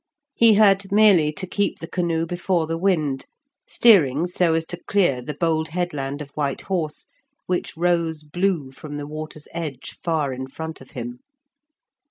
He had merely to keep the canoe before the wind, steering so as to clear the bold headland of White Horse which rose blue from the water's edge far in front of him.